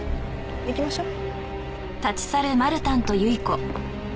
行きましょう。